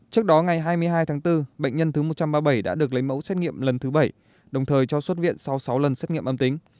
trước đó ngày hai mươi hai tháng bốn bệnh nhân thứ một trăm ba mươi bảy đã được lấy mẫu xét nghiệm lần thứ bảy đồng thời cho xuất viện sau sáu lần xét nghiệm âm tính